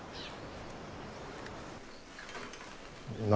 何？